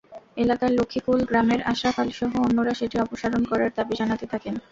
এলাকার লক্ষ্মীকুল গ্রামের আশরাফ আলীসহ অন্যরা সেটি অপসারণ করার দাবি জানাতে থাকেন।